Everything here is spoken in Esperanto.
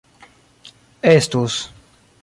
estus